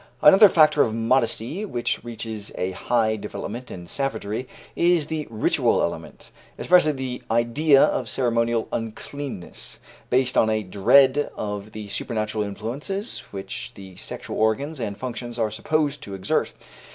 Another factor of modesty, which reaches a high development in savagery, is the ritual element, especially the idea of ceremonial uncleanness, based on a dread of the supernatural influences which the sexual organs and functions are supposed to exert.